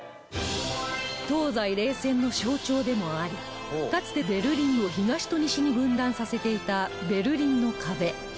東西冷戦の象徴でもありかつてベルリンを東と西に分断させていたベルリンの壁